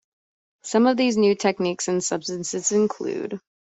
Some of these new techniques and substances include.